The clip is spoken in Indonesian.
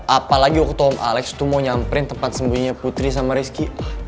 apalagi waktu tom alex tuh mau nyamperin tempat sembunyinya putri sama rizky